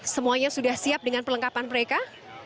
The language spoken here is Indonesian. semuanya sudah siap dengan perlengkapan mereka